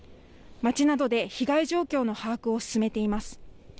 町などで被害状況の把握を進めています。